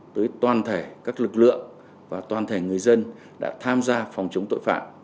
tới toàn thể các lực lượng và toàn thể người dân đã tham gia phòng chống tội phạm